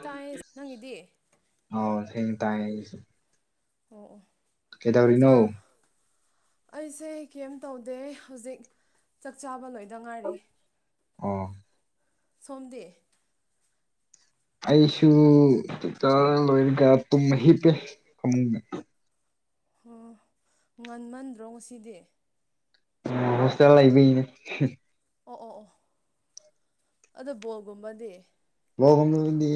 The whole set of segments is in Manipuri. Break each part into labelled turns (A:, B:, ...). A: ꯇꯥꯏꯌꯦ ꯅꯪꯒꯤꯗꯤ ꯑꯣ ꯑꯣ ꯆꯥꯛ
B: ꯀꯩꯗꯧꯔꯤꯅꯣ
A: ꯆꯥꯔ ꯑꯩꯁꯦ ꯀꯩꯝ ꯇꯧꯗꯦ ꯍꯧꯖꯤꯛ ꯆꯥꯛ ꯆꯥꯕ ꯂꯣꯏꯗ ꯉꯥꯏꯔꯤ
B: ꯑꯣ
A: ꯁꯣꯝꯗꯤ
B: ꯑꯩꯁꯨ [unintelligible] ꯇꯨꯝ ꯍꯤꯞꯄꯦ ꯐꯃꯨꯡꯗ
A: ꯍꯣ ꯉꯟꯃꯟꯗ꯭ꯔꯣ ꯉꯁꯤꯗꯤ
B: ꯍꯣꯁꯇꯦꯜ ꯂꯩꯕꯩꯅꯦ
A: ꯑꯣ ꯑꯣ ꯑꯣ ꯑꯗꯣ ꯕꯣꯜ ꯒꯨꯝꯕꯗꯤ
B: ꯕꯣꯜꯒꯨꯝꯕꯗꯤ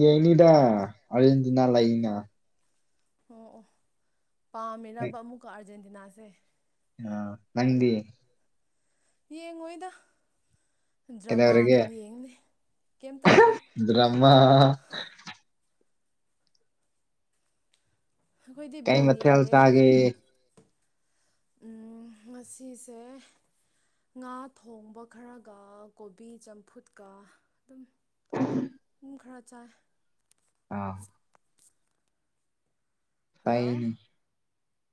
B: ꯌꯦꯡꯅꯤꯗ ꯑꯔꯖꯦꯟꯇꯤꯅꯥ ꯂꯩꯅ
A: ꯑꯣ ꯑꯣ ꯄꯥꯝꯃꯤꯔꯕ ꯑꯃꯨꯛꯀ ꯑꯥꯔꯖꯦꯟꯇꯤꯅꯥꯁꯦ
B: ꯑ ꯅꯪꯗꯤ
A: ꯌꯦꯡꯉꯣꯏꯗ ꯗ꯭ꯔꯃꯥ
B: ꯀꯩꯗꯧꯔꯤꯒꯦ
A: ꯗꯨꯝ ꯌꯦꯡꯅꯤ ꯀꯩꯝ ꯇꯧꯗꯦ
B: ꯗ꯭ꯔꯃꯥ [unintelligible]
A: ꯑꯩꯈꯣꯏꯗꯤ
B: ꯀꯩ
A: ꯕꯣꯜ
B: ꯃꯊꯦꯜ
A: ꯌꯦꯡꯗꯦ
B: ꯆꯥꯒꯦ
A: ꯎꯝ ꯉꯁꯤꯁꯦ ꯉꯥ ꯊꯣꯡꯕ ꯈꯔꯒ ꯀꯣꯕꯤ ꯆꯝꯐꯨꯠꯀ ꯗꯨꯝ
B: [inaudible]
A: ꯈꯔ ꯆꯥꯏ
B: ꯑꯥ
A: ꯍꯜꯂꯣ
B: ꯑꯩꯅꯦ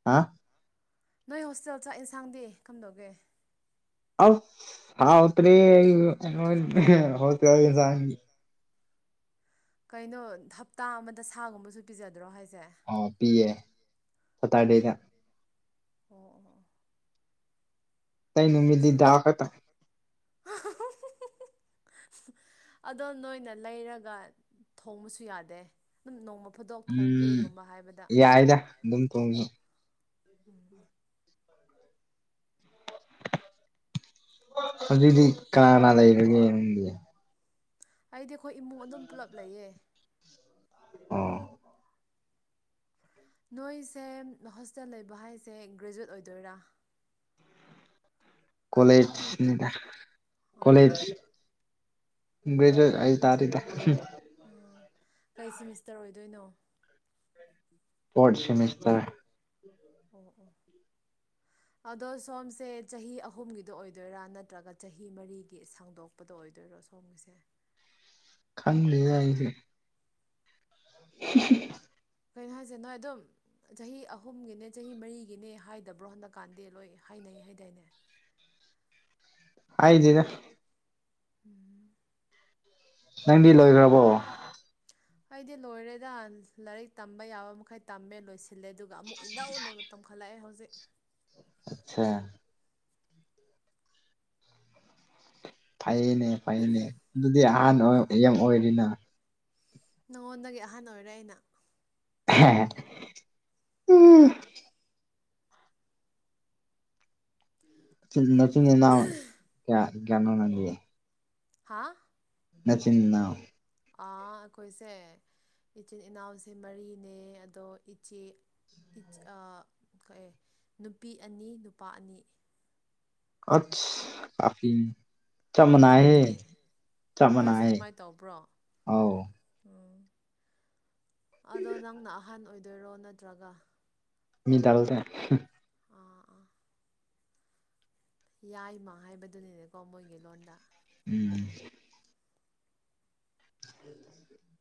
B: ꯑꯥ
A: ꯅꯣꯏ ꯍꯣꯁꯇꯦꯜ ꯆꯥꯛ ꯏꯟꯁꯥꯡꯗꯤ ꯀꯝꯗꯧꯒꯦ
B: ꯑꯥ ꯍꯥꯎꯇ꯭ꯔꯦ [unintelligible]
A: ꯀꯩꯅꯣ ꯍꯞꯇꯥ ꯑꯃꯗ ꯁꯥꯒꯨꯝꯕꯁꯨ ꯄꯤꯖꯗ꯭ꯔꯣ ꯍꯥꯏꯁ
B: ꯑꯣ ꯄꯤꯌꯦ ꯁꯥꯇ꯭ꯔꯗꯦꯗ
A: ꯑꯣ ꯉꯁꯤ
B: [unintelligible]
A: [unintelligible] ꯑꯗꯣ ꯅꯣꯏꯅ ꯂꯩꯔꯒ ꯊꯣꯡꯕꯁꯨ ꯌꯥꯗꯦ ꯑꯗꯨꯝ ꯅꯣꯡꯃ ꯐꯗꯣꯛ
B: ꯎꯝ
A: ꯊꯣꯡꯒꯦꯒꯨꯝꯕ ꯍꯥꯏꯕꯗ
B: ꯌꯥꯏꯗ ꯑꯗꯨꯝ ꯊꯣꯡꯅ
A: [inaudible]
B: ꯑꯗꯨꯗꯤ ꯀꯅꯥ ꯀꯅꯥ ꯂꯩꯒ꯭ꯔꯒꯦ ꯅꯪꯗꯤ
A: ꯑꯩꯗꯤ ꯑꯈꯣꯏ ꯏꯃꯨꯡ ꯑꯗꯨꯝ ꯄꯨꯂꯞ ꯂꯩꯌꯦ
B: ꯑꯣ
A: ꯅꯣꯏꯁꯦ ꯍꯣꯁꯇꯦꯜ ꯂꯩꯕ ꯍꯥꯏꯁꯦ ꯒ꯭ꯔꯦꯖꯨ꯭ꯋꯦꯠ ꯑꯣꯏꯗꯣꯏꯔꯥ
B: ꯀꯣꯂꯦꯠꯁ ꯅꯤꯗ
A: ꯑꯥ ꯑꯥ
B: ꯒꯔꯦꯖ꯭ꯋꯦꯠ [unintelligible]
A: ꯑꯣ ꯀꯩ ꯁꯤꯃꯤꯁꯇꯔ ꯑꯣꯏꯗꯣꯏꯅꯣ
B: ꯐꯔꯣꯠ ꯁꯃꯤꯁꯇꯔ
A: [inaudible] ꯑꯗꯣ ꯁꯣꯝꯁꯦ ꯆꯍꯤ ꯑꯍꯨꯝꯒꯤꯗ ꯑꯣꯏꯗꯣꯏꯔꯥ ꯅꯠꯇ꯭ꯔꯒ ꯆꯍꯤ ꯃꯔꯤꯒꯤ ꯁꯥꯡꯗꯣꯛꯄꯗꯣ ꯑꯣꯏꯗꯣꯏꯔꯥ ꯁꯣꯝꯒꯤꯁꯦ
B: ꯈꯪꯗꯦꯗ ꯑꯩꯗꯤ [unintelligible]
A: ꯀꯩꯅꯣ ꯍꯥꯏꯁꯦ ꯅꯣꯏ ꯑꯗꯨꯝ ꯆꯍꯤ ꯑꯍꯨꯝꯒꯤꯅꯦ ꯆꯍꯤ ꯃꯔꯤꯒꯤꯅꯦ ꯍꯥꯏꯗꯕ꯭ꯔꯣ ꯍꯟꯗꯛꯀꯥꯟꯗꯤ ꯂꯣꯏ ꯍꯥꯏꯅꯩ ꯍꯥꯏꯗꯅꯦ
B: ꯍꯥꯏꯗꯦꯗ
A: ꯎꯝ
B: ꯅꯪꯗꯤ ꯂꯣꯏꯒ꯭ꯔꯕꯣ
A: ꯑꯩꯗꯤ ꯂꯣꯏꯔꯦꯗ ꯂꯥꯏꯔꯤꯛ ꯇꯝꯕ ꯌꯥꯕ ꯃꯈꯩ ꯇꯝꯃꯦ ꯂꯣꯏꯁꯤꯜꯂꯦ ꯑꯗꯨ ꯑꯗꯨꯒ ꯑꯃꯨꯛ ꯏꯟꯅꯧ ꯅꯧꯅ ꯇꯝꯈꯠꯂꯛꯑꯦ ꯍꯧꯖꯤꯛ
B: ꯑꯆꯥ ꯐꯩꯌꯦꯅꯦ ꯐꯩꯌꯦꯅꯦ ꯑꯗꯨꯗꯤ ꯑꯍꯥꯟ ꯑꯣꯏ ꯌꯥꯝ ꯑꯣꯏꯔꯤꯅ
A: ꯅꯉꯣꯟꯗꯒꯤ ꯑꯍꯟ ꯑꯣꯏꯔꯦ ꯑꯩꯅ
B: ꯑꯦꯍꯦ ꯎꯝ ꯅꯆꯤꯟ ꯅꯅꯥꯎ ꯀꯌꯥ ꯀꯌꯅꯣ ꯅꯪꯗꯤ
A: ꯍꯥ
B: ꯅꯆꯤꯟ ꯅꯅꯥꯎ
A: ꯑꯥ ꯑꯩꯈꯣꯏꯁꯦ ꯏꯆꯤꯟ ꯏꯅꯥꯎꯁꯦ ꯃꯔꯤꯅꯦ ꯑꯗꯣ ꯏꯆꯦ ꯑꯥ ꯑꯦ ꯅꯨꯄꯤ ꯑꯅꯤ ꯅꯨꯄꯥ ꯑꯅꯤ
B: ꯑꯁ ꯀꯐꯤꯅꯤ
A: ꯅꯣꯏꯗꯤ ꯅꯣꯏꯁꯨ
B: ꯃꯥꯟꯅꯩ
A: ꯑꯗꯨꯃꯥꯏꯅ ꯇꯧꯕ꯭ꯔꯣ
B: ꯑꯧ
A: ꯎꯝ ꯑꯗꯣ ꯅꯪꯅ ꯑꯍꯟ ꯑꯣꯏꯗꯣꯏꯔꯣ ꯅꯠꯇ꯭ꯔꯒ
B: ꯃꯤ ꯗꯜꯗꯦ ꯍꯨ
A: ꯑꯥ ꯑꯥ ꯌꯥꯏꯃ ꯍꯥꯏꯕꯗꯨꯅꯤꯅꯦꯀꯣ ꯃꯣꯏꯒꯤ ꯂꯣꯟꯗ
B: ꯍꯨꯝ [inaudible]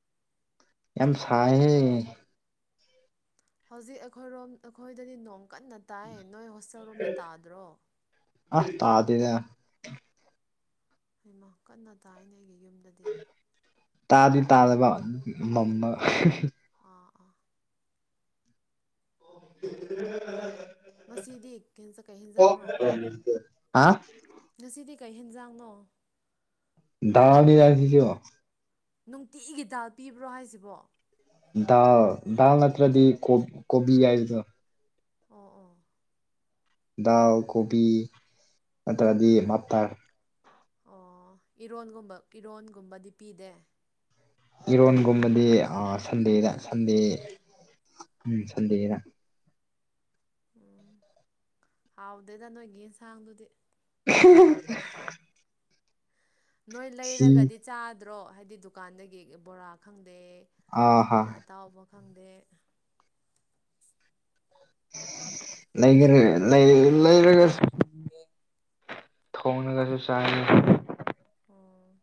B: ꯌꯥꯝ ꯁꯥꯏꯍꯦ
A: ꯍꯧꯖꯤꯛ ꯑꯩꯈꯣꯏꯔꯣꯝ ꯑꯩꯈꯣꯏꯗꯗꯤ ꯅꯣꯡ ꯀꯟꯅ ꯇꯥꯏ ꯅꯣꯏ ꯍꯣꯁꯇꯦꯜ ꯔꯣꯝꯗ ꯇꯥꯗ꯭ꯔꯣ
B: ꯑ ꯇꯥꯗꯦꯗ
A: ꯏꯃꯥ ꯀꯟꯅ ꯇꯥꯏꯅꯦ ꯑꯩꯒꯤ ꯌꯨꯝꯗꯗꯤ
B: ꯇꯥꯗꯤ ꯇꯥꯗꯕ ꯃꯝꯕ
A: ꯑꯥ ꯑꯥ
B: [inaudible]
A: ꯉꯁꯤꯗꯤ ꯀꯩꯖ ꯀꯩ ꯍꯦꯟꯖꯥꯡꯅꯣ
B: ꯍꯥ
A: ꯉꯁꯤꯗꯤ ꯀꯩ ꯍꯦꯟꯖꯥꯡꯅꯣ
B: ꯗꯥꯜꯅꯤꯗ ꯑꯁꯤꯁꯨ
A: ꯅꯨꯡꯇꯤꯒꯤ ꯗꯥꯜ ꯄꯤꯕ꯭ꯔꯣ ꯍꯥꯏꯁꯤꯕꯣ
B: ꯗꯥꯜ ꯗꯥꯜ ꯅꯠꯇ꯭ꯔꯗꯤ ꯀꯣ ꯀꯣꯕꯤ ꯍꯥꯏꯁꯤꯗꯣ
A: ꯑꯣ ꯑꯣ
B: ꯗꯥꯎ ꯀꯣꯕꯤ ꯅꯠꯇ꯭ꯔꯗꯤ ꯃꯞꯇꯥꯔ
A: ꯑꯣ ꯏꯔꯣꯟꯒꯨꯝꯕ ꯏꯔꯣꯟꯒꯨꯝꯕꯗꯤ ꯄꯤꯗꯦ
B: ꯏꯔꯣꯟꯒꯨꯝꯕꯗꯤ ꯑꯥ ꯁꯟꯗꯦꯗ ꯁꯟꯗꯦ ꯎꯝ ꯁꯟꯗꯦꯗ
A: ꯎꯝ ꯍꯥꯎꯗꯦꯗ ꯅꯣꯏꯒꯤ ꯏꯟꯁꯥꯡꯗꯨꯗꯤ
B: [unintelligible]
A: ꯅꯣꯏ
B: ꯁꯤ
A: ꯂꯩꯔꯒꯗꯤ ꯆꯥꯗ꯭ꯔꯣ ꯍꯥꯏꯗꯤ ꯗꯨꯀꯥꯟꯗꯒꯤ ꯕꯣꯔꯥ ꯈꯪ ꯗꯦ
B: ꯑꯥ ꯍꯥ
A: ꯌꯦꯟ ꯑꯇꯥꯎꯕ ꯈꯪꯗꯦ
B: [unintelligible] ꯊꯣꯡꯂꯒꯁꯨ ꯆꯥꯏꯌꯦ
A: ꯑꯣ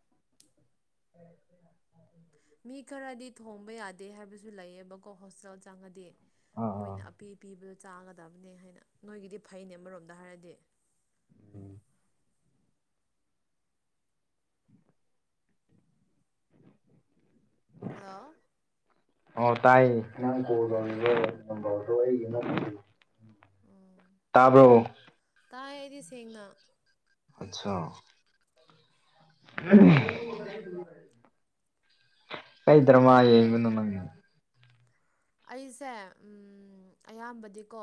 A: ꯃꯤ ꯈꯔꯗꯤ ꯊꯣꯡꯕ ꯌꯥꯗꯦ ꯍꯥꯏꯕꯁꯨ ꯂꯩꯑꯦꯕꯀꯣ ꯍꯣꯁꯇꯦꯜ ꯆꯪꯉꯗꯤ
B: ꯑꯥ ꯑꯥ
A: ꯃꯣꯏꯅ ꯑꯄꯤ ꯄꯤꯕꯗꯨ ꯆꯥꯒꯗꯝꯅꯦ ꯍꯥꯏꯅ ꯅꯣꯏꯒꯤꯗꯤ ꯐꯩꯅꯦ ꯑꯃꯔꯣꯝꯗ ꯍꯥꯏꯔꯗꯤ
B: ꯎꯝ
A: ꯍꯜꯂꯣ
B: [unintelligible]
A: ꯎꯝ
B: ꯇꯥꯕ꯭ꯔꯣ
A: ꯇꯥꯏ ꯑꯩꯗꯤ ꯁꯦꯡꯅ
B: ꯑꯠꯆꯥ [inaudible] ꯀꯩ ꯗ꯭ꯔꯃꯥ ꯌꯦꯡꯕꯅꯣ ꯅꯪ
A: ꯑꯩꯁꯦ ꯎꯝ ꯑꯌꯥꯝꯕꯗꯤꯀꯣ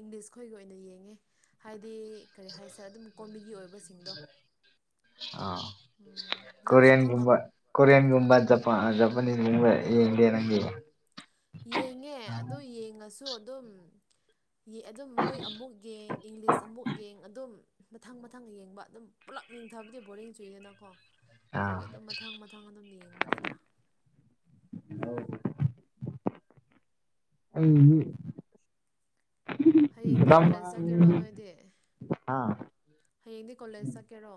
A: ꯏꯪꯂꯤꯁ ꯈꯣꯏꯒꯤ ꯑꯣꯏꯅ ꯌꯦꯡꯉꯦ ꯍꯥꯏꯗꯤ ꯀꯔꯤ ꯍꯥꯏꯁꯦꯔ ꯑꯗꯨꯝ ꯀꯣꯃꯦꯗꯤ ꯑꯣꯏꯕꯁꯤꯡꯗꯣ
B: ꯑꯥ
A: ꯎꯝ ꯅꯪꯁꯨ ꯈꯪꯉꯝ
B: ꯀꯣꯔꯤꯌꯟꯒꯨꯝꯕ ꯀꯣꯔꯤꯌꯟꯒꯨꯝꯕ ꯖꯄ ꯑꯥ ꯖꯄꯅꯤꯁ ꯒꯨꯝꯕ ꯌꯦꯡꯗꯦ ꯅꯪꯗꯤ
A: ꯌꯦꯡꯉꯦ ꯑꯗꯨ ꯌꯦꯡꯉꯁꯨ ꯑꯗꯨꯝ ꯌꯦ ꯑꯗꯨꯝ ꯃꯣꯏ ꯑꯃꯨꯛ ꯌꯦꯡ ꯏꯪꯂꯤꯁ ꯑꯃꯨꯛ ꯌꯦꯡ ꯑꯗꯨꯝ ꯃꯊꯪ ꯃꯊꯪ ꯌꯦꯡꯕ ꯑꯗꯨꯝ ꯄꯨꯂꯞ ꯌꯦꯡꯊꯕꯗꯤ ꯕꯣꯔꯤꯡ ꯆꯨꯏꯗꯅꯀꯣ
B: ꯑꯥ
A: ꯑꯗꯨꯒꯤ ꯑꯗꯨꯝ ꯃꯊꯪ ꯃꯊꯪ ꯑꯗꯨꯝ ꯌꯦꯡꯕꯅꯦꯗ
B: [inaudible] ꯑꯩꯅꯤ
A: ꯍꯌꯦꯡꯗꯤ ꯀꯣꯂꯦꯖ ꯆꯠꯀꯦꯔꯣ ꯅꯣꯏꯗꯤ
B: ꯑꯥ
A: ꯍꯌꯦꯡꯗꯤ ꯀꯣꯂꯦꯖ ꯆꯠꯀꯦꯔꯣ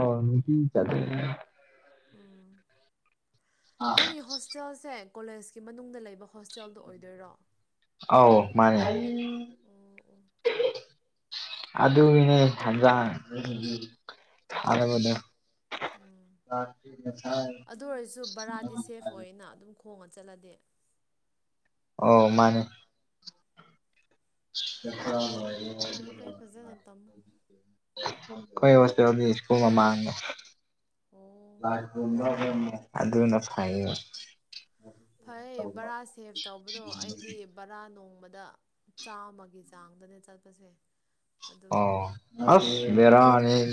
B: [unintelligible]
A: ꯎꯝ ꯅꯪꯒꯤ ꯍꯣꯁꯇꯦꯜꯁꯦ ꯀꯣꯂꯦꯁꯀꯤ ꯃꯅꯨꯡꯗ ꯂꯩꯕ ꯍꯣ
B: ꯑꯥꯎ ꯃꯥꯅꯦ
A: ꯑꯣ ꯑꯣ
B: [unintelligible]
A: ꯎꯝ
B: [unintelligible]
A: ꯑꯗꯨ ꯑꯣꯏꯔꯁꯨ ꯕꯔꯥꯗꯤ ꯁꯦꯐ ꯑꯣꯏꯅ ꯑꯗꯨꯝ ꯈꯣꯡꯉ ꯆꯠꯂꯗꯤ
B: ꯑꯣ ꯃꯥꯅꯦ [unintelligible]
A: ꯐꯩ ꯐꯩ ꯐꯖꯅ ꯇꯝꯃꯣ
B: ꯑꯩꯈꯣꯏ ꯍꯣꯁꯇꯦꯜꯗꯤ ꯁ꯭ꯀꯨꯜ ꯃꯥꯃꯥꯡꯗ
A: ꯑꯣ
B: ꯑꯗꯨꯅ ꯐꯩ
A: ꯐꯩ ꯕꯔꯥ ꯁꯦꯚ ꯇꯧꯕꯗꯣ ꯑꯩꯗꯤ ꯕꯔꯥ ꯅꯣꯡ ꯗ ꯆꯥꯃꯒꯤ ꯆꯥꯡꯗꯅꯦ ꯆꯠꯄꯁꯦ ꯑꯗꯨꯒꯤ
B: ꯑꯣ ꯑꯁ ꯕꯦꯔꯥꯅꯦꯍꯦ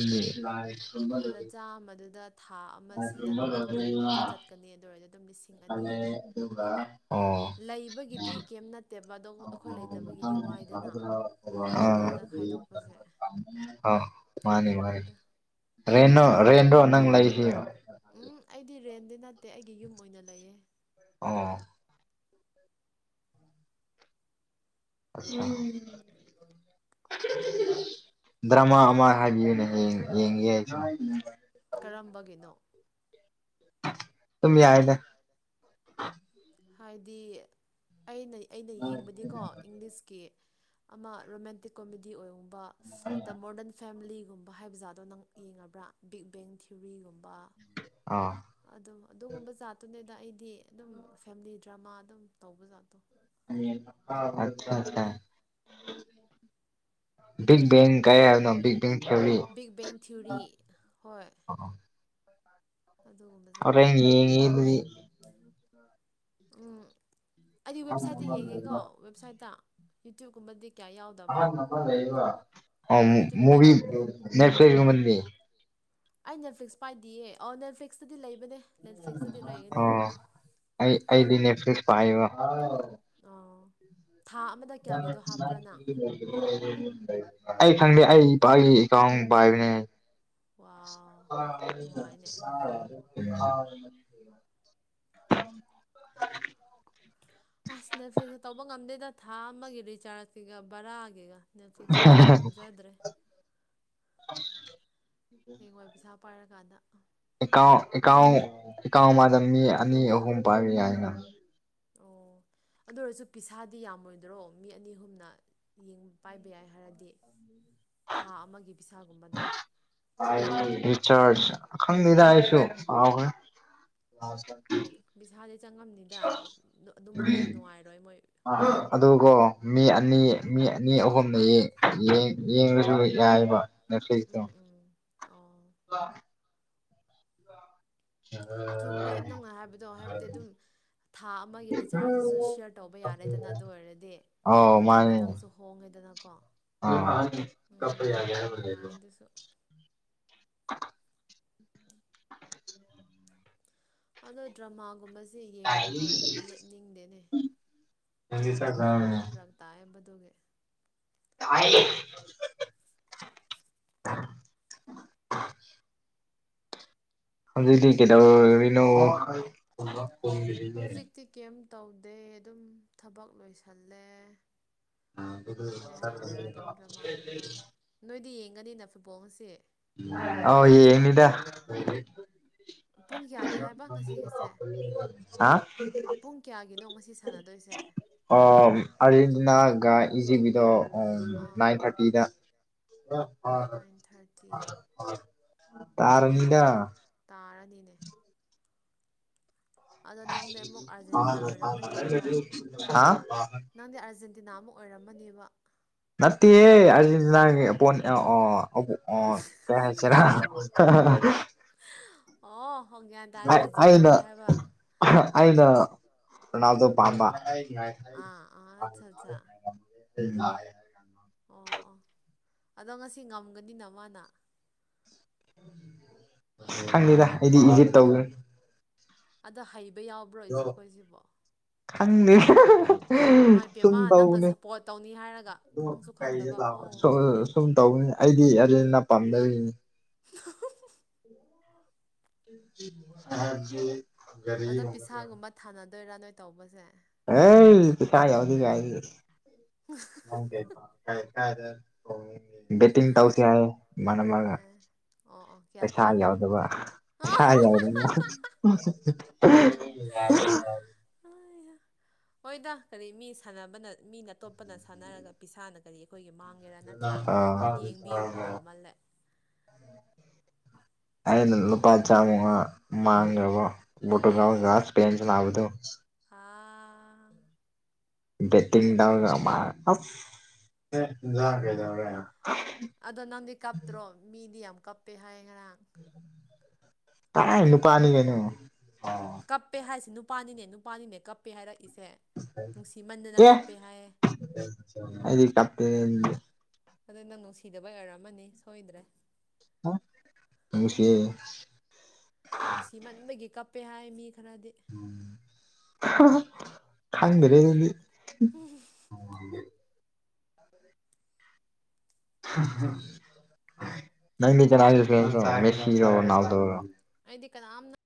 A: ꯑꯗ
B: ꯑꯗꯨꯗꯤ
A: ꯆꯥꯝꯃꯗꯨꯗ ꯊꯥ ꯑꯃꯁꯤꯗ ꯅꯨꯃꯤꯠ ꯀꯨꯟꯃꯨꯛꯇꯤ ꯆꯠꯀꯅꯤ ꯑꯗꯨꯑꯣꯏꯔꯗꯤ ꯑꯗꯨꯝ ꯂꯤꯁꯤꯡ ꯑꯅꯤ
B: ꯑꯗꯨꯒ ꯎꯝ [unintelligible]
A: ꯇꯦꯕ ꯑꯗꯣ ꯑꯩꯈꯣꯏ ꯂꯩꯇꯕꯒꯤꯗꯤ ꯋꯥꯏꯗꯅ
B: ꯑ
A: ꯕꯔꯥꯗ ꯈꯥꯏꯗꯣꯛꯄꯁꯦ
B: ꯑ ꯃꯥꯅꯦ ꯃꯥꯅꯦ
A: ꯑꯗꯨꯅꯤꯗ
B: ꯔꯦꯟꯅꯣ ꯔꯦꯟꯔꫭ ꯅꯪ ꯂꯩꯁꯤ
A: ꯎꯝ ꯑꯩꯗꯤ ꯔꯦꯟꯗꯤ ꯅꯠꯇꯦ ꯑꯩꯒꯤ ꯌꯨꯝ ꯑꯣꯏꯅ ꯂꯩꯌꯦ
B: ꯑꫭ [unintelligible] ꯎꯝ [unintelligible] ꯗ꯭ꯔꯃꯥ ꯑꯃ ꯍꯥꯏꯕꯤꯌꯨꯅꯦ ꯍꯌꯦꯡ ꯌꯦꯡꯒꯦ ꯑꯩꯁꯨ
A: ꯀꯔꯝꯕꯒꯤꯅꯣ
B: ꯗꯨꯝ ꯌꯥꯏꯗ
A: ꯍꯥꯏꯗꯤ ꯑꯩꯅ ꯑꯩꯅ ꯌꯦꯡꯕꯗꯤꯀꯣ ꯏꯪꯂꯤꯁꯀꯤ ꯑꯃ ꯔꯣꯃꯦꯟꯇꯤꯛ ꯀꯣꯃꯦꯗꯤ ꯑꯣꯏꯒꯨꯝꯕ ꯗ ꯃꯣꯗꯔꯟ ꯐꯦꯂꯤꯒꯨꯝꯕ ꯍꯥꯏꯕ ꯖꯥꯠꯗꯣ ꯅꯪ ꯌꯦꯡꯉꯕ꯭ꯔ ꯕꯤꯛ ꯕꯦꯡ ꯊꯤꯑꯣꯔꯤꯒꯨꯝꯕ
B: ꯑꯥ
A: ꯑꯗꯨꯝ ꯑꯗꯨꯒꯨꯝꯕ ꯖꯥꯠꯇꯨꯅꯦꯗ ꯑꯩꯗꯤ ꯑꯗꯨꯝ ꯐꯦꯃꯤꯂꯤ ꯗ꯭ꯔꯃꯥ ꯑꯗꯨꯝ ꯇꯧꯕ ꯖꯥꯠꯇꯣ
B: [unintelligible] ꯕꯤꯛ ꯕꯦꯡ ꯀꯩ ꯍꯥꯏꯕꯅꯣ big bang theory
A: big bang theory ꯍꯣꯏ ꯑꯗꯨꯒꯨꯝꯕ ꯖꯥꯠꯇꯣ
B: ꯍꯧꯔꯦꯟ ꯌꯦꯡꯉꯦ ꯑꯗꯨꯗꯤ
A: ꯎꯝ ꯑꯩꯗꯤ ꯋꯦꯕꯁꯥꯏꯠꯇ ꯌꯦꯡꯉꯤꯀꯣ ꯋꯦꯕꯁꯥꯏꯠꯇ ꯌꯨꯇ꯭ꯌꯨꯕꯀꯨꯝꯕꯗꯤ ꯀꯌꯥ ꯌꯥꯎꯗꯕꯅꯦ
B: [unintelligible]
A: ꯌꯨꯇ꯭ꯌꯨꯕꯇꯗꯤ
B: ꯃꯨꯕꯤ ꯅꯦꯠꯐ꯭ꯂꯤꯛꯁ ꯀꯨꯝꯕꯗꯤ
A: ꯑꯩ ꯅꯦꯠꯐ꯭ꯂꯤꯛꯁ ꯄꯥꯏꯗꯤꯌꯦ ꯑꯣ ꯅꯦꯠꯐ꯭ꯂꯤꯛꯁꯇꯗꯤ ꯂꯩ
B: ꯑꯣ ꯑꯩ ꯑꯩꯗꯤ ꯅꯦꯠꯐ꯭꯭ꯂꯤꯛꯁ ꯄꯥꯏꯌꯦꯕ
A: ꯑꯣ ꯊꯥ ꯑꯃꯗ ꯀꯌꯥꯒꯤꯗꯣ ꯍꯥꯞꯄ꯭ꯔꯥ ꯅꯪ
B: [unintelligible] ꯑꯩ ꯈꯪꯗꯦ ꯑꯩ ꯏꯄꯥꯒꯤ ꯑꯦꯀꯥꯎꯟ ꯄꯥꯏꯕꯅꯦ [unintelligible]
A: ꯋꯥꯎ ꯅꯨꯡꯉꯥꯏꯅꯦ
B: [unintelligible]
A: ꯑꯥꯁ ꯅꯦꯠꯐ꯭ꯂꯤꯛꯁꯀ ꯇꯧꯕ ꯉꯝꯗꯦꯗ ꯊꯥ ꯑꯃꯒꯤ ꯔꯤꯆꯥꯔꯖꯀꯤꯒ ꯕꯔꯥꯒꯤꯒ ꯅꯦꯠꯐ꯭ꯂꯤꯛꯁ ꯀꯥꯏꯗꯨꯗꯤ ꯉꯝꯖꯗ꯭ꯔꯦ
B: ꯑꯁ
A: ꯍꯌꯦꯡꯋꯥꯏ ꯄꯩꯁꯥ ꯄꯥꯏꯔꯀꯥꯟꯗ
B: ꯑꯦꯀꯥꯎ ꯑꯦ ꯑꯦꯀꯥꯎ ꯑꯦꯀꯥꯎ ꯑꯃꯗ ꯃꯤ ꯑꯅꯤ ꯑꯍꯨꯝ ꯄꯥꯏꯕ ꯌꯥꯏꯅ
A: ꯑꯣ ꯑꯗꯨ ꯑꯣꯏꯔꯁꯨ ꯄꯤꯁꯥꯗꯤ ꯌꯥꯝꯃꯣꯏꯗ꯭ꯔꯣ ꯃꯤ ꯑꯅꯤ ꯑꯍꯨꯝꯅ ꯄꯥꯏꯕ ꯌꯥꯏ ꯍꯥꯏꯔꯗꯤ ꯊꯥ ꯑꯃꯒꯤ ꯄꯤꯁꯥꯒꯨꯝꯕꯗꯣ
B: ꯔꯤꯆꯥꯔꯁ ꯈꯪꯗꯦꯗ ꯑꯩꯁꯨ ꯀꯥꯎꯈ꯭ꯔꯦ [unintelligible]
A: ꯄꯤꯁꯥꯗꯤ ꯆꯪꯉꯝꯅꯤꯗ ꯑꯗꯨꯃꯛꯅꯗꯤ ꯅꯨꯡꯉꯥꯏꯔꯣꯏ ꯃꯣꯏ
B: ꯑꯗꯨꯒꯣ ꯃꯤ ꯑꯅꯤ
A: ꯎꯝ
B: ꯃꯤ ꯑꯅꯤ ꯑꯍꯨꯝꯅ [unintelligible] ꯌꯦꯡꯉꯁꯨ ꯌꯥꯏꯕ ꯅꯦꯠꯐ꯭ꯂꯤꯛꯁꯇꯣ
A: ꯎꯝ ꯎꯝ ꯑꯣ
B: ꯂꯥ
A: ꯆꯨꯝꯃꯦ ꯅꯪꯅ ꯍꯥꯏꯕꯗꯣ ꯍꯥꯏꯕꯗꯤ ꯑꯗꯨꯝ ꯊꯥ ꯑꯃꯒꯤ ꯔꯤꯆꯥꯔꯁꯁꯤꯁꯨ ꯁꯤꯌꯔ ꯇꯧꯕ ꯌꯥꯔꯦꯗꯅ ꯑꯗꯨ ꯑꯣꯏꯔꯗꯤ
B: ꯑꯧ
A: ꯈꯤꯇꯪ
B: ꯃꯥꯅꯦ
A: ꯈꯤꯇꯪꯁꯨ ꯍꯣꯡꯉꯦꯗꯅꯀꯣ
B: [unintelligible] ꯀꯞꯄ
A: ꯎꯝ
B: ꯌꯥꯗꯦ
A: ꯌꯥꯏ
B: ꯍꯥꯏꯕꯒꯤꯀꫭ
A: ꯑꯗꯨꯁꯨ ꯑꯗꯣ ꯗ꯭ꯔꯃꯥꯒꯨꯝꯕ ꯖꯦ ꯌꯦꯡꯕ ꯍꯧꯔꯗꯤ ꯂꯦꯞꯅꯤꯡꯗꯦꯅꯦ ꯇꯨꯝ ꯐꯔꯛ ꯇꯥꯏꯕ ꯑꯗꯨꯒꯤ
B: ꯇꯥꯢꯌꯦ ꯑꯗꯨꯗꯤ ꯀꯩꯗꯧꯔꯤꯅꯣ
A: ꯍꯧꯖꯤꯛꯇꯤ ꯀꯦꯝ ꯇꯧꯗꯦ ꯑꯗꯨꯝ ꯊꯕꯛ ꯂꯣꯏꯁꯜꯂꯦ ꯑꯗꯨꯝ ꯉꯥꯏꯍꯥꯛ ꯂꯩꯔ ꯑꯗꯨꯝ ꯗ꯭ꯔꯃꯥ ꯌꯦꯡꯕ ꯅꯣꯏꯗꯤ ꯌꯦꯡꯒꯅꯤꯅ ꯐꯨꯠꯕꯣꯜ ꯉꯁꯤ
B: ꯑꯥꯎ ꯌꯦꯡꯅꯤꯗ
A: ꯄꯨꯡ ꯀꯌꯥꯅꯤ ꯍꯥꯏꯕ ꯉꯁꯤꯒꯤꯁꯦ
B: ꯍꯥ
A: ꯄꯨꯡ ꯀꯌꯥꯒꯤꯅꯣ ꯉꯁꯤ ꯁꯥꯟꯅꯗꯣꯏꯁꯦ
B: ꯑꯣ ꯑꯔꯖꯦꯟꯇꯤꯅꯥ ꯒ ꯏꯖꯤꯞꯒꯤꯗꯣ ꯑꯣ ꯅꯥꯏꯟ
A: ꯑꯥ
B: ꯊꯥꯔꯇꯤꯗ
A: ꯅꯥꯏꯟ ꯊꯥꯔꯇꯤ
B: ꯇꯥꯔꯅꯤꯗꯥ
A: ꯑꯣ ꯇꯥꯔꯅꯤꯅꯦ ꯑꯗꯣ
B: ꯍꯥ
A: ꯅꯪꯗꯤ ꯑꯃꯨꯛ ꯑꯥꯔꯖꯦꯟꯇꯤꯅꯥ ꯑꯣꯏꯔꯝꯃꯅꯤꯅꯦꯀꯣ
B: [inaudible]
A: ꯀꯅꯥꯃꯨꯛ ꯑꯣꯏꯔꯝꯃꯅꯦꯕ
B: ꯅꯠꯇꯦꯌꯦ ꯑꯔꯖꯦꯟꯇꯤꯒꯤ ꯕꯣꯜ ꯑꯣ ꯑꯣ ꯑꯣ ꯑꯣ ꯀꯩ ꯍꯥꯏꯁꯤꯔꯥ ꯍꯥ ꯍꯥ ꯍ
A: ꯑꯣ ꯍꯣ ꯒ꯭ꯌꯥꯟ
B: ꯑ
A: ꯇꯥꯔꯦ ꯏꯖꯤꯞ
B: ꯑꯩꯅ
A: ꯇꯧꯒꯦ ꯍꯥꯏꯕ
B: ꯑꯩꯅ ꯔꯣꯅꯥꯜꯗꯣ ꯄꯥꯝꯕ ꯂꯩ
A: ꯑꯥ ꯑꯥ ꯑꯠꯆꯥ ꯑꯠꯆꯥ
B: ꯍꯥꯏ
A: ꯑꯗꯣ ꯉꯁꯤ ꯉꯝꯒꯅꯤꯅ ꯃꯥꯅ
B: ꯈꯪꯅꯤꯗ ꯑꯩꯗꯤ ꯏꯖꯤꯞ ꯇꯧꯗꯣꯢꯅꯤ
A: ꯑꯗꯣ ꯍꯩꯕ ꯌꯥꯎꯕ꯭ꯔꯣ ꯏꯖꯤꯞꯈꯣꯢꯁꯤꯕꯣ
B: ꯈꯪꯗꯦ ꯁꯨꯝ
A: ꯏꯄꯦꯝꯃ ꯅꯪꯅ
B: ꯇꯧꯕꯅꯤ
A: ꯁꯞꯄꯣꯔꯠ ꯇꯧꯅꯤ ꯍꯥꯏꯔꯒ ꯈꯪꯁꯨ ꯈꯪꯗꯕ
B: ꯂꯥꯛ
A: ꯑꯣ
B: ꯁꯨꯝ ꯇꯧꯅꯤ [inaudible] ꯑꯩꯗꯤ ꯑꯥꯔꯖꯦꯟꯇꯤꯅꯥ ꯄꯥꯝꯗꯦ ꯑꯔꯖꯦ ꯔꯤ ꯎ [unintelligible]
A: ꯑꯗꯨꯏꯔꯥ ꯅꯣꯏ ꯇꯧꯕꯁꯦ
B: ꯑꯦ ꯇꯥꯏ ꯍꯧꯗꯤ [unintelligible] ꯕꯦꯇꯤꯡ ꯇꯥꯎꯁꯤ ꯍꯤꯢ ꯏꯃꯥꯅꯕ ꯑꯃꯅ
A: ꯑꯦ ꯑꯣ ꯑꯣ ꯀꯌꯥ
B: ꯄꯩꯁꯥ
A: ꯀꯌꯥ
B: ꯌꯥꯎꯗꯕ ꯄꯩꯁꯥ ꯌꯥꯎꯗꯕ ꯑꯍ ꯑꯍ [unintelligible]
A: ꯍꯣꯏꯗ ꯀꯔꯤ ꯃꯤ ꯁꯥꯟꯅꯕꯅ ꯃꯤꯅ ꯑꯇꯣꯞꯄꯅ ꯁꯥꯟꯅꯔꯒ ꯄꯩꯁꯥꯅ ꯀꯔꯤ ꯑꯩꯈꯣꯏꯒꯤ ꯃꯥꯡꯒꯦꯔꯥ ꯅꯠꯇ꯭ꯔꯥ ꯌꯦꯡꯕꯤꯕꯐꯥꯎ
B: ꯑꯥ
A: ꯐꯃꯜꯂꯦ
B: ꯑꯗꯨꯅ ꯂꯨꯄꯥ ꯆꯥꯃꯉ ꯃꯥꯡꯉꯒ꯭ꯔꯕꯣ ꯄꯣꯔꯇꯨꯒꯜ ꯒ
A: ꯎꯝ
B: ꯏꯁꯄꯦꯟ ꯁꯥꯅꯕꯗꯨ
A: ꯑꯥ
B: ꯕꯦꯡꯇꯤꯡ ꯇꯧꯔ ꯃꯥꯡ ꯑꯁ [unintelligible]
A: ꯑꯗꯣ ꯅꯪꯗꯤ ꯀꯥꯞꯇ꯭ꯔꯣ ꯃꯤꯗꯤ ꯌꯥꯝ ꯀꯞꯄꯦ ꯍꯥꯏ ꯉꯔꯥꯡ
B: ꯀꯔꯥꯢ ꯅꯨꯄꯥꯅꯤ ꯀꯩꯅꯣ
A: ꯀꯞꯄꯦ ꯍꯥꯏꯁꯤ ꯅꯨꯄꯥꯅꯤꯅꯦ ꯅꯨꯄꯥꯅꯤꯅꯦ ꯀꯞꯄꯦ ꯍꯥꯏꯔꯛ
B: ꯇꯦ
A: ꯍꯥꯏꯌꯦ
B: ꯑꯩꯗꯤ ꯀꯞꯇꯦ ꯑꯗꯨꯗꯤ
A: ꯑꯗꯨ ꯅꯪ ꯅꯨꯡꯁꯤꯗꯕꯩ ꯑꯣꯏꯔꯝꯃꯅꯤ ꯁꯣꯏꯗ꯭ꯔꯦ
B: ꯅꯨꯡꯁꯤ
A: ꯅꯨꯡꯁꯤ ꯃꯟꯕꯒꯤ ꯀꯞꯄꯦ ꯍꯥꯏ ꯃꯤ ꯈꯔꯗꯤ
B: ꯈꯍ ꯈꯪꯗ꯭ꯔꯦ ꯑꯗꯨꯗꯤ ꯍꯝ ꯅꯪꯗꯤ ꯀꯅꯥꯒꯤ ꯐꯦꯟꯁꯔꯣ ꯃꯦꯁꯤꯔꯣ ꯔꯣꯅꯥꯜꯗꯣꯔꯣ
A: ꯑꯩꯗꯤ ꯀꯅꯥꯝꯅ